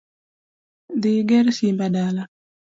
Dhi iger simba dala